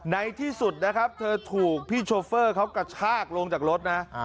ในที่สุดนะครับเธอถูกพี่โชเฟอร์เขากระชากลงจากรถนะ